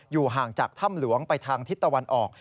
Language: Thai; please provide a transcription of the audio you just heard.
ห่างจากถ้ำหลวงไปทางทิศตะวันออก